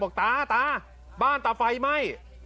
ตาตาบ้านตาไฟไหม้